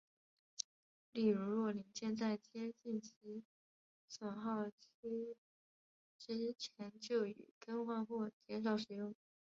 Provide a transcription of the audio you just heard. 例如若零件在接近其损耗期之前就已更换或是减少使用。